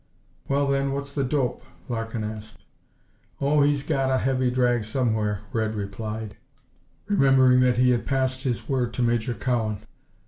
"Well then, what's the dope?" Larkin asked. "Oh, he's got a heavy drag somewhere," Red replied, remembering that he had passed his word to Major Cowan.